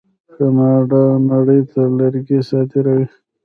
کاناډا نړۍ ته لرګي صادروي.